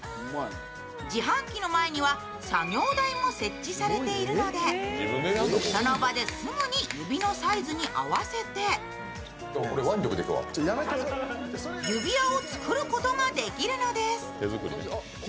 自販機の前には作業台も設置されているのでその場ですぐに指のサイズに合わせて指輪を作ることができるのです。